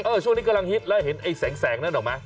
ช่วงนี้กำลังฮิตแล้วเห็นไอ้แสงนั้นออกไหม